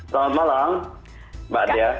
selamat malam mbak adia